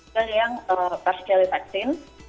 dan yang persikali vaksin